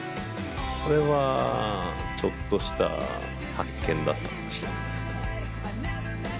これはちょっとした発見だったかもしれないですね。